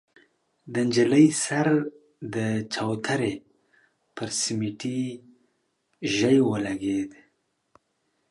د نجلۍ سر د چوترې پر سميټي ژۍ ولګېد.